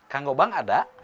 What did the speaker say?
kang gobang ada